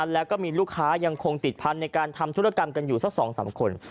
แล้วก็มีลูกค้ายังคงติดพันธุ์ในการทำธุรกรรมกันอยู่สัก๒๓คน